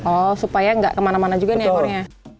oh supaya nggak kemana mana juga nih ekornya